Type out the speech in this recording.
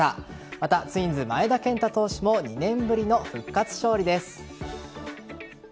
また、ツインズ・前田健太投手も２年ぶりの復活勝利です。